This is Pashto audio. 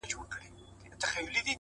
• چا خوله وازه په حیرت پورته کتله ,